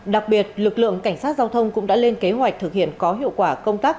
đặc biệt lực lượng cảnh sát giao thông cũng đã lên kế hoạch thực hiện có hiệu quả công tác